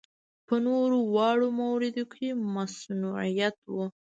په نورو واړه مواردو کې مصنوعیت و.